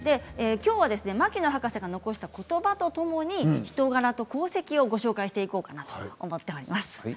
今日は牧野博士が残した言葉とともに人柄と功績をご紹介していこうかなと思っています。